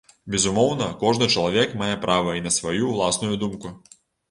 Безумоўна, кожны чалавек мае права і на сваю ўласную думку.